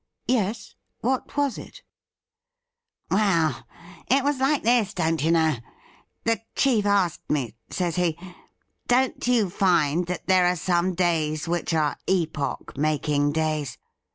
' Yes ; what was it .'' 'Well, it was like this, don't you know. The chief asked me, says he, "Don't you find that there are some days which are epoch making days.?"